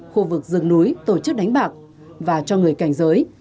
khu vực rừng núi tổ chức đánh bạc và cho người cảnh giới